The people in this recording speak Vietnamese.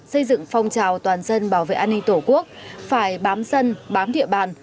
xây dựng phong trào toàn dân bảo vệ an ninh tổ quốc phải bám sân bám địa bàn